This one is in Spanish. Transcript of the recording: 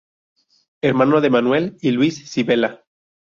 Hermano de Manuel y Luis Silvela.